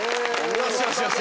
よしよしよし。